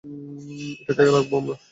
এটাকে রাখবো আমরা।